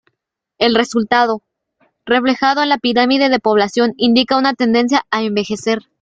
El resultado, reflejado en la pirámide de población, indica una tendencia a envejecer.